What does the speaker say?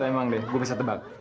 tapi emang deh gue bisa tebak